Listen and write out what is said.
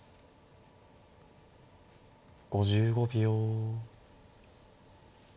５５秒。